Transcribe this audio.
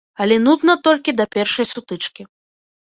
Але нудна толькі да першай сутычкі.